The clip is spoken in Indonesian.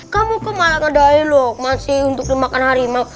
kamu kemana ngedahin lukman sih untuk dimakan harimau